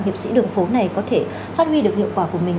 hiệp sĩ đường phố này có thể phát huy được hiệu quả của mình